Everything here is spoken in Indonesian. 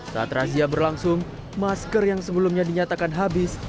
saat razia berlangsung masker yang sebelumnya dinyatakan habis